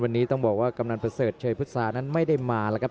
วันนี้ต้องบอกว่ากำนันประเสริฐเชยพฤษานั้นไม่ได้มาแล้วครับ